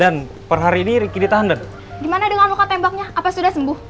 dan per hari ini riki ditahan dan gimana dengan luka tembaknya apa sudah sembuh